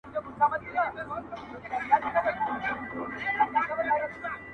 وګړي ډېر سول د نیکه دعا قبوله سوله-